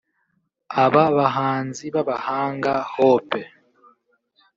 Aba bahanzi b’abahanga Hope